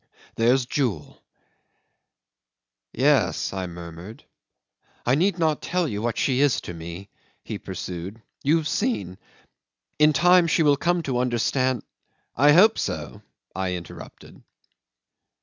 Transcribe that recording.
"There's Jewel." "Yes," I murmured. "I need not tell you what she is to me," he pursued. "You've seen. In time she will come to understand ..." "I hope so," I interrupted.